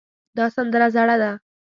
دا سندره زړه ده